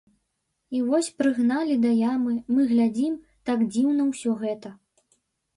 І вось прыгналі да ямы, мы глядзім, так дзіўна ўсё гэта.